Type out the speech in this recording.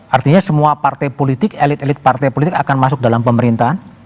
artinya semua partai politik elit elit partai politik akan masuk dalam pemerintahan